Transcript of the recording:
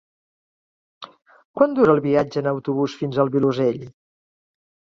Quant dura el viatge en autobús fins al Vilosell?